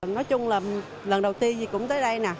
nói chung là lần đầu tiên gì cũng tới đây nè